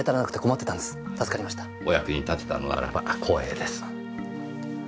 お役に立てたのならば光栄です。